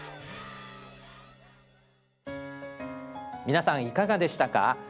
皆さんいかがでしたか？